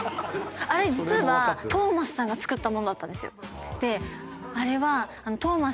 あれ実はトーマスさんが作ったものだったんですよ。